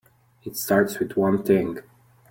It starts with one thing.